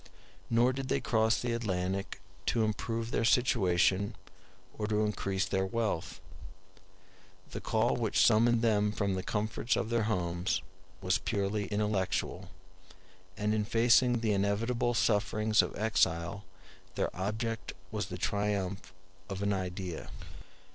Nor did they cross the Atlantic to improve their situation or to increase their wealth; the call which summoned them from the comforts of their homes was purely intellectual; and in facing the inevitable sufferings of exile their object was the triumph of an idea.